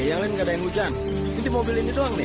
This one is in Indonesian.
yang lain nggak ada yang hujan ini di mobil ini doang nih